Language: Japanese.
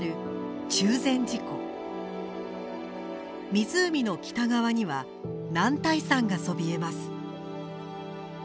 湖の北側には男体山がそびえます。